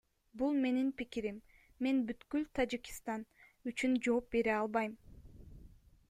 Бул менин пикирим, мен бүткүл Тажикстан үчүн жооп бере албайм.